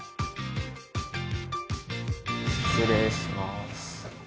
失礼します。